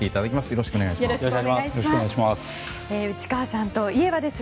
よろしくお願いします。